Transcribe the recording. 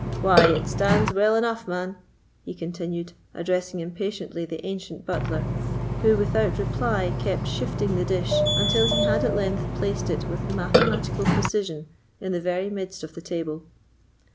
Why, it stands well enough, man," he continued, addressing impatiently the ancient butler, who, without reply, kept shifting the dish, until he had at length placed it with mathematical precision in the very midst of the table.